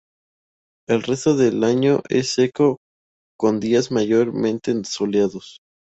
El resto del año es seco, con días mayormente soleados.